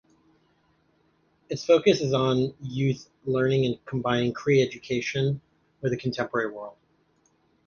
Its focus is on youth learning and combining Cree education with the contemporary world.